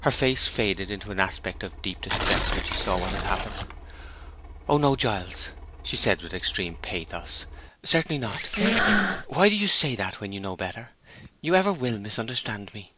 Her face faded into an aspect of deep distress when she saw what had happened. "Oh no, Giles," she said, with extreme pathos; "certainly not. Why do you—say that when you know better? You ever will misunderstand me."